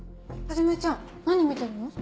はじめちゃん何見てるの？